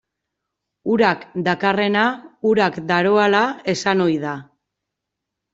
Urak dakarrena urak daroala esan ohi da.